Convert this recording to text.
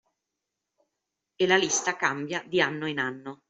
E la lista cambia di anno in anno